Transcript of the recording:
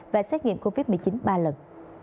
và xét nghiệm covid một mươi chín ba lần